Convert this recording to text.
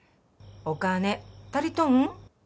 お金足りとん？